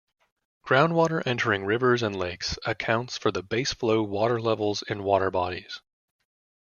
Groundwater entering rivers and lakes accounts for the base-flow water levels in water bodies.